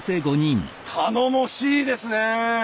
頼もしいですねえ！